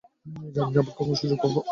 জানি না, আবার কখন সুযোগ পাবো।